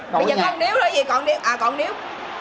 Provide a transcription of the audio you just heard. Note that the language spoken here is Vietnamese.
bây giờ không níu nữa gì còn níu à còn níu